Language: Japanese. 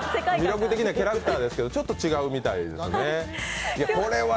魅力的なキャラクターですけど、ちょっと違うみたいですね。